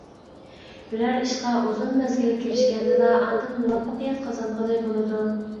بىرەر ئىشقا ئۇزۇن مەزگىل كىرىشكەندىلا، ئاندىن مۇۋەپپەقىيەت قازانغىلى بولىدۇ.